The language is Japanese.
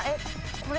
これ？